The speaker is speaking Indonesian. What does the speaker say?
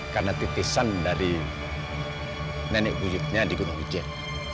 karena titisan dari nenek wujudnya digunung wujud